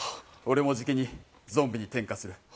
俺もじきにゾンビに転化する。